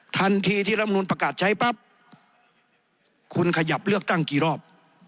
ทันทีที่รัฐมนุนประกาศใช้ปั๊บคุณขยับเลือกตั้งกี่รอบ